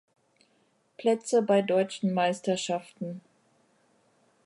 Plätze bei deutschen Meisterschaften.